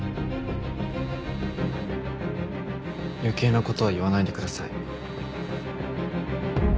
余計な事は言わないでください。